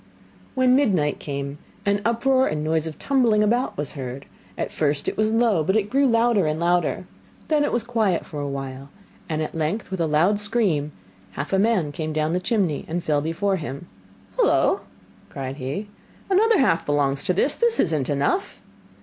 When midnight came, an uproar and noise of tumbling about was heard; at first it was low, but it grew louder and louder. Then it was quiet for a while, and at length with a loud scream, half a man came down the chimney and fell before him. 'Hullo!' cried he, 'another half belongs to this. This is not enough!